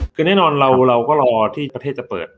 คือแน่นอนเราก็รอที่ประเทศจะเปิด